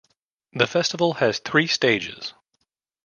The festival has three stages.